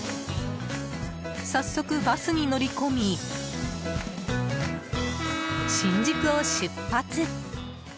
早速、バスに乗り込み新宿を出発。